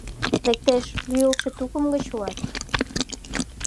— Лектеш, лӱйылтшӧ тукым гыч улат.